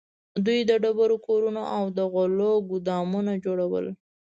دوی د ډبرو کورونه او د غلو ګودامونه جوړول.